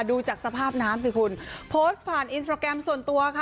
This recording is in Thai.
ดูจากสภาพน้ำสิคุณโพสต์ผ่านส่วนตัวค่ะ